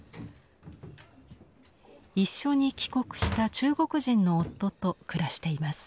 一緒に帰国した中国人の夫と暮らしています。